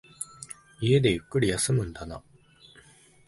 家でゆっくり休むんだな。